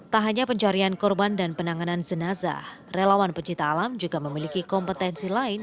tak hanya pencarian korban dan penanganan jenazah relawan pencipta alam juga memiliki kompetensi lain